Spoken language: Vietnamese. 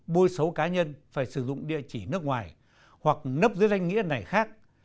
bôi xấu cá nhân phải sử dụng địa chỉ nước ngoài hoặc nấp dưới danh nghĩa này khác